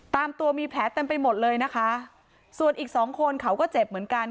ตามตัวมีแผลเต็มไปหมดเลยนะคะส่วนอีกสองคนเขาก็เจ็บเหมือนกัน